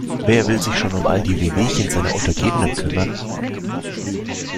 Wer will sich schon um all die Wehwehchen seiner Untergebenen kümmern?